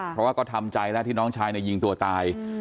เพราะว่าก็ทำใจแล้วที่น้องชายยิงตัวตาย